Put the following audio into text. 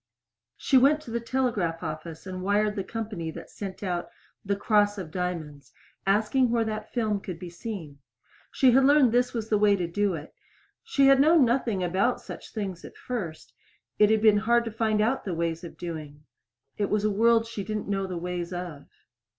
She went to the telegraph office and wired the company that sent out "The Cross of Diamonds," asking where that film could be seen. She had learned that this was the way to do it. She had known nothing about such things at first; it had been hard to find out the ways of doing. It was a world she didn't know the ways of.